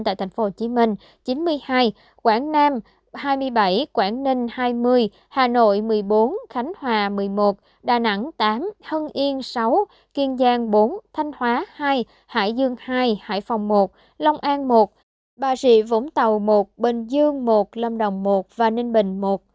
tại tp hcm chín mươi hai quảng nam hai mươi bảy quảng ninh hai mươi hà nội một mươi bốn khánh hòa một mươi một đà nẵng tám hân yên sáu kiên giang bốn thanh hóa hai hải dương hai hải phòng một long an một bà rịa vũng tàu một bình dương một lâm đồng một và ninh bình một